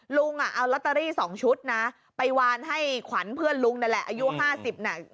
ลุงอ่ะเอาลอตเตอรี่๒ชุดนะไปวานให้ขวัญเพื่อนลุงนั่นแหละอายุ๕๐น่ะ